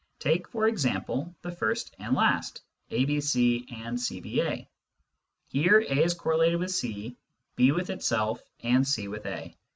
Take, for example, the first and last, (a, b, c) and (c, b, a). Here a is correlated with c, b with itself, and c with a.